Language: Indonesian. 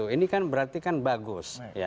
ini kan berarti kan bagus